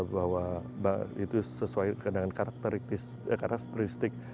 bahwa itu sesuai dengan karakteristik karakteristik